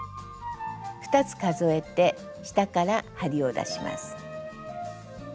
２つ数えて下から針を出します。